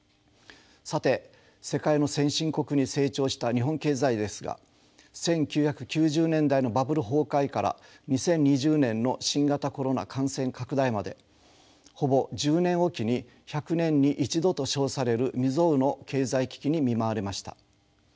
さて世界の先進国に成長した日本経済ですが１９９０年代のバブル崩壊から２０２０年の新型コロナ感染拡大までほぼ１０年おきに１００年に一度と称される未曽有の経済危機に見舞われました。